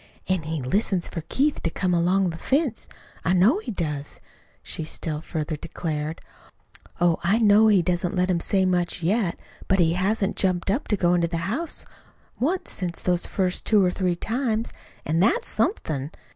"An' he listens for Keith to come along the fence I know he does," she still further declared. "Oh, I know he doesn't let him say much yet, but he hasn't jumped up to go into the house once since those first two or three times, an' that's somethin'.